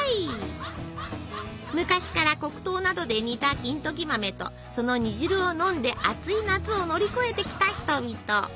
昔から黒糖などで煮た金時豆とその煮汁を飲んで暑い夏を乗り越えてきた人々。